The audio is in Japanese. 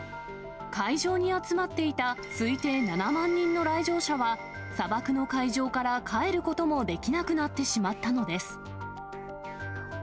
会場に集まっていた推定７万人の来場者は、砂漠の会場から帰ることもできなくなってしまったのです。